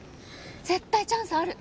絶対チャンスある！